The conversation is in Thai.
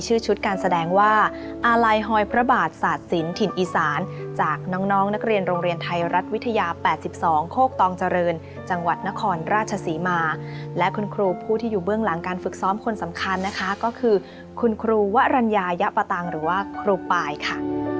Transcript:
ชุดการแสดงว่าอาลัยหอยพระบาทศาสตร์ศิลปถิ่นอีสานจากน้องนักเรียนโรงเรียนไทยรัฐวิทยา๘๒โคกตองเจริญจังหวัดนครราชศรีมาและคุณครูผู้ที่อยู่เบื้องหลังการฝึกซ้อมคนสำคัญนะคะก็คือคุณครูวะรัญญายะปะตังหรือว่าครูปายค่ะ